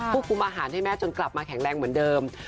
คุมอาหารให้แม่จนกลับมาแข็งแรงเหมือนเดิม